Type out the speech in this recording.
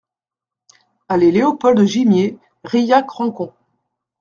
Allée Léopold Gimié, Rilhac-Rancon